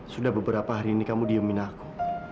sudah beberapa hari ini kamu diemin aku